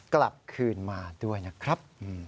กลับคืนมาด้วยนะครับ